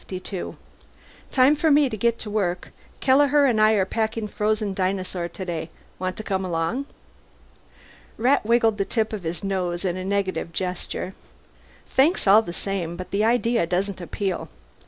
"Time for me to get to work. Kelleher and I are packing frozen dinosaur today. Want to come along?" Rat wiggled the tip of his nose in a negative gesture. "Thanks all the same, but the idea doesn't appeal.